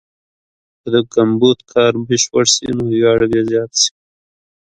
که د ګمبد کار بشپړ سي، نو ویاړ به زیات سي.